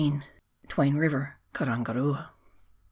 TWAIN RIVER (kARANGARUA).